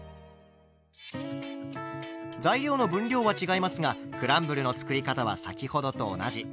材料の分量は違いますがクランブルの作り方は先ほどと同じ。